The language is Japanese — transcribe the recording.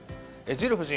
ジル夫人